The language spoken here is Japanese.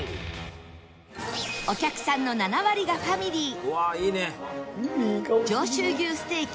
お客さんの７割がファミリー